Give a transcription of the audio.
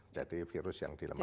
jadi virus yang dilemahkan